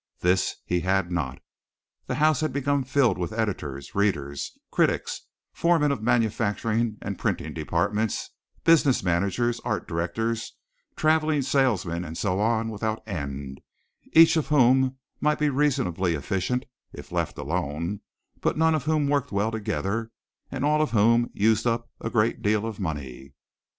This he had not. The house had become filled with editors, readers, critics, foremen of manufacturing and printing departments, business managers, art directors, traveling salesmen and so on without end, each of whom might be reasonably efficient if left alone, but none of whom worked well together and all of whom used up a great deal of money.